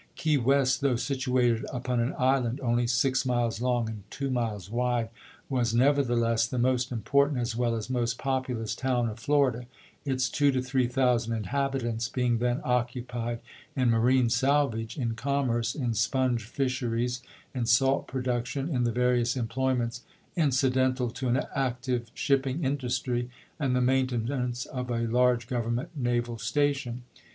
Key West, though situated upon an island only six miles long and two miles wide, was never theless the most important as well as most populous town of Florida ; its two to three thousand inhab itants being then occupied in marine salvage, in commerce, in sponge fisheries, in salt production, in the various employments incidental to an active shipping industry, and the maintenance of a large Government naval station.